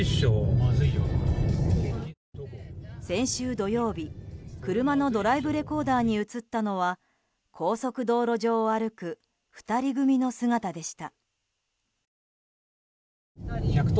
先週土曜日、車のドライブレコーダーに映ったのは高速道路上を歩く２人組の姿でした。